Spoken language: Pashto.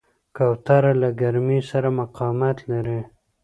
کوتره له ګرمۍ سره مقاومت لري.